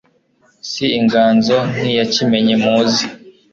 si inganzo nk'iya kimenyi muzi